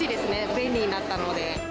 便利になったので。